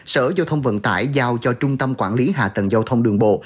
sở giao thông vận tải giao cho trung tâm quản lý hạ tầng giao thông đường bộ